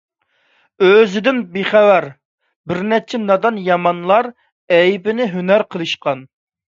ئۆزىدىن بىخەۋەر بىرنەچچە نادان، يامانلار ئەيىبىنى ھۈنەر قىلىشقان.